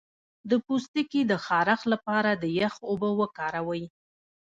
د پوستکي د خارښ لپاره د یخ اوبه وکاروئ